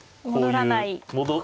戻らない。